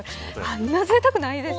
あんなぜいたく、ないですね。